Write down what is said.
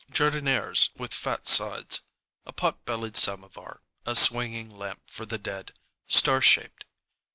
Jardinières with fat sides. A pot bellied samovar. A swinging lamp for the dead, star shaped.